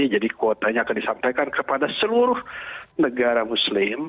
jadi kuotanya akan disampaikan kepada seluruh negara muslim